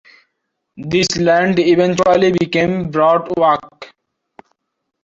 This land eventually became Broad Oak.